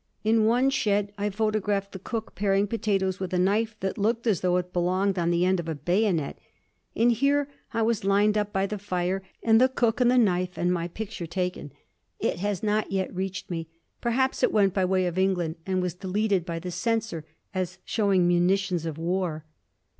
In one shed I photographed the cook, paring potatoes with a knife that looked as though it belonged on the end of a bayonet. And here I was lined up by the fire and the cook and the knife and my picture taken. It has not yet reached me. Perhaps it went by way of England, and was deleted by the censor as showing munitions of war!